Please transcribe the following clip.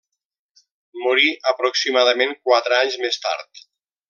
Morí aproximadament quatre anys més tard.